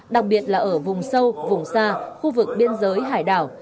đặc biệt là ở vùng sâu vùng xa khu vực biên giới hải đảo